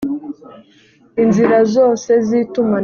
inzira zose z itumanaho